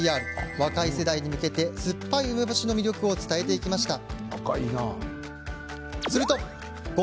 若い世代に向け酸っぱい梅干しの魅力を伝えていきました。